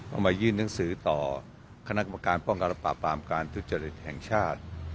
มายื่นหนังสือต่อคณะกรรมการป้องกันและปราบปรามการทุจริตแห่งชาติ